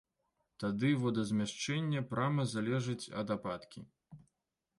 Тады водазмяшчэнне прама залежыць ад ападкі.